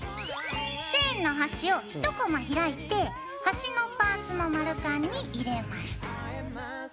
チェーンの端を１コマ開いて端のパーツの丸カンに入れます。